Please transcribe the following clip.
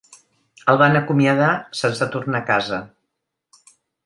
El van acomiadar sense tornar a casa.